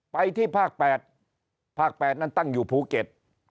ไปที่ภาค๘ภาค๘นั้นตั้งอยู่ภูเก็ต